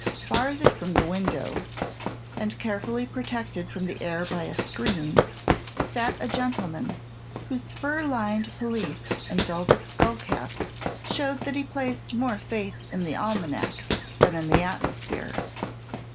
Farther from the window, and carefully protected from the air by a screen, sat a gentleman whose fur lined pelisse and velvet skull cap showed that he placed more faith in the almanac than in the atmosphere.